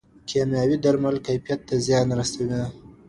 کیمیاوي درمل کیفیت ته زیان رسوي.